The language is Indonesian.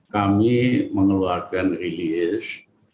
kami mengeluarkan release